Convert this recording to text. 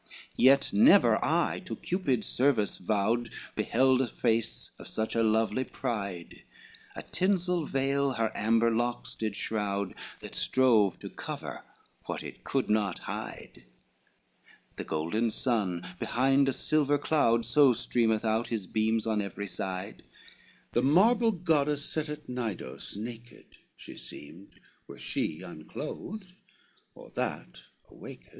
XXIX Yet never eye to Cupid's service vowed Beheld a face of such a lovely pride; A tinsel veil her amber locks did shroud, That strove to cover what it could not hide, The golden sun behind a silver cloud, So streameth out his beams on every side, The marble goddess, set at Cnidos, naked She seemed, were she unclothed, or that awaked.